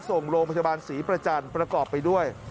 ส่งโรงพยาบาลศรีประจันทร์ประกอบไปด้วย